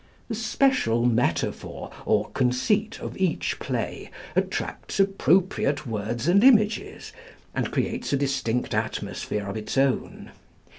The special metaphor or conceit of each play attracts appropriate words and images, and creates a distinct atmosphere of its own.